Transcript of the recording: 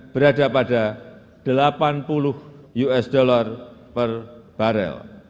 berada pada delapan puluh usd per barel